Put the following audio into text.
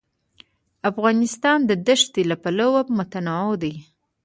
افغانستان د ښتې له پلوه متنوع دی.